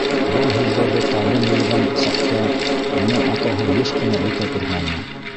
- Был һүҙҙәрҙе табын йыйған саҡта уның атаһы йыш ҡына әйтә торғайны.